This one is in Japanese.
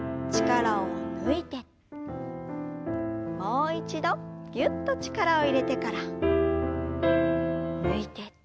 もう一度ぎゅっと力を入れてから抜いて。